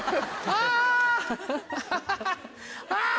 ああ！